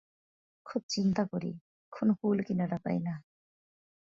খুব চিন্তা করি, কোনো কুল-কিনারা পাই না।